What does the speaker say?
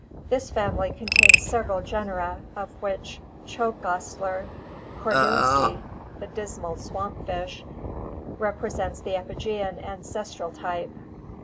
This family contains several genera, of which Chobgaslcr cornuiuSy the Dismal Swamp fish, represents the epigean ancestral type.